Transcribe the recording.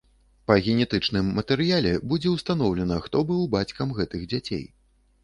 Па генетычным матэрыяле будзе ўстаноўлена, хто быў бацькам гэтых дзяцей.